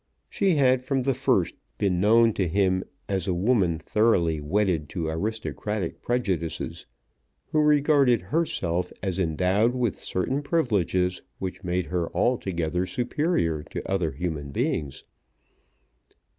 She had from the first been known to him as a woman thoroughly wedded to aristocratic prejudices, who regarded herself as endowed with certain privileges which made her altogether superior to other human beings.